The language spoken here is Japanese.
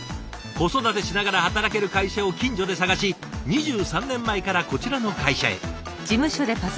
子育てしながら働ける会社を近所で探し２３年前からこちらの会社へ。